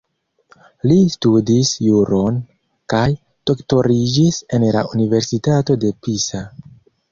Li studis juron kaj doktoriĝis en la Universitato de Pisa.